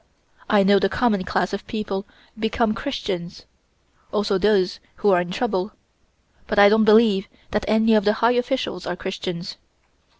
I know the common class of people become Christians also those who are in trouble but I don't believe that any of the high officials are Christians."